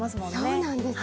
そうなんです。